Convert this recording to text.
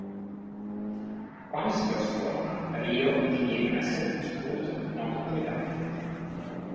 Quando si trasforma, Ryo diviene un essere mostruoso noto come Dante.